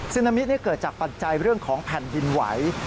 นามิเกิดจากปัจจัยเรื่องของแผ่นดินไหว